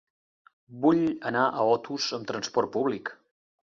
Vull anar a Otos amb transport públic.